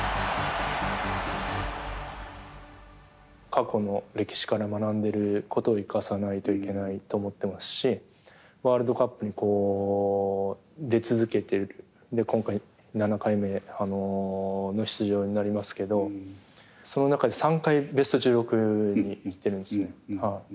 過去の歴史から学んでることを生かさないといけないと思ってますしワールドカップに出続けて今回７回目の出場になりますけどその中で３回ベスト１６にいってるんですね。